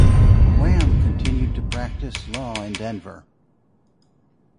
Wham continued to practice law in Denver.